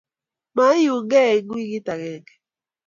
Maiunge eng wiikit agenge